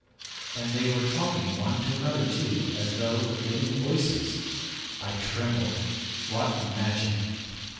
And they were talking one to another, too, as though with living voices! I trembled. What magic!